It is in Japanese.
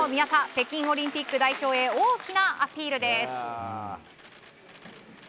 北京オリンピック代表へ大きなアピールです。